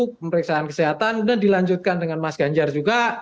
pemeriksaan kesehatan kemudian dilanjutkan dengan mas ganjar juga